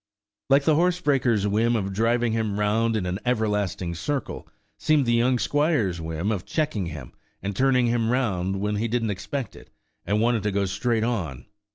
Like the horsebreaker's whim of driving him round in an everlasting circle, seemed the young squire's whim of checking him, and turning him round when he didn't expect it, and wanted to go straight on.